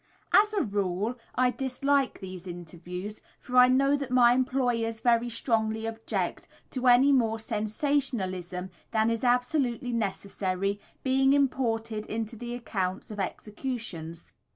As a rule I dislike these interviews, for I know that my employers very strongly object to any more sensationalism than is absolutely necessary being imported into the accounts of executions.